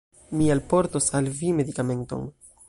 Mi alportos al vi medikamenton